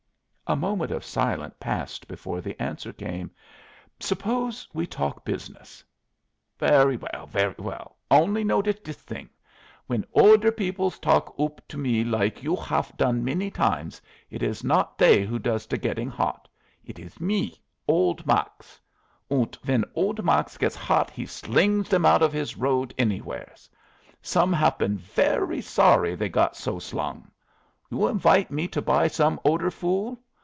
A moment of silence passed before the answer came: "Suppose we talk business?" "Very well, very well. Only notice this thing. When oder peoples talk oop to me like you haf done many times, it is not they who does the getting hot. It is me old Max. Und when old Max gets hot he slings them out of his road anywheres. Some haf been very sorry they get so slung. You invite me to buy some oder fool?